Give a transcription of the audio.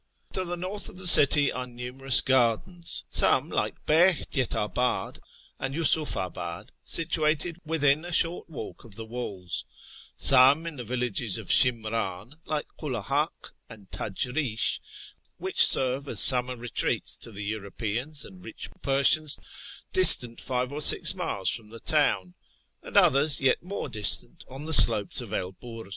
To the north of the city are numerous gardens; some, like Behjetabad and Yiisufabad, situated within a short walk of the walls ; some in the villages of Shimran, like Kulahak and teherAn 87 Tajrish, which serve as summer retreats to the Europeans and rich Persians, distant five or six miles from the town ; and others yet more distant, on the slopes of Elburz.